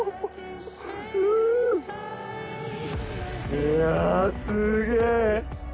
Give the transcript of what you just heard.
いやすげえ！